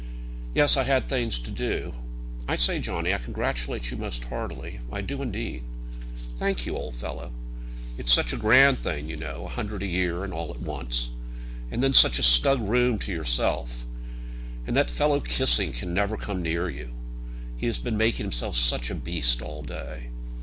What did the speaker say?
"Yes; I had things to do. I say, Johnny, I congratulate you most heartily; I do, indeed." "Thank you, old fellow!" "It is such a grand thing, you know. A hundred a year and all at once! And then such a snug room to yourself, and that fellow, Kissing, never can come near you. He has been making himself such a beast all day.